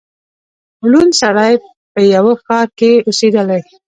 ړوند سړی په یوه ښار کي اوسېدلی